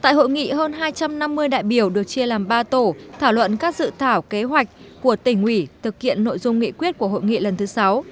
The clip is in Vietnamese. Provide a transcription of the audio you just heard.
tại hội nghị hơn hai trăm năm mươi đại biểu được chia làm ba tổ thảo luận các dự thảo kế hoạch của tỉnh ủy thực hiện nội dung nghị quyết của hội nghị lần thứ sáu